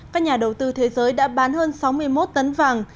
các nhà đầu tư thế giới đã bán hơn sáu mươi một tấn vàng